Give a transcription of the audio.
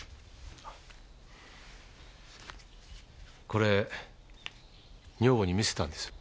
これ女房に見せたんです。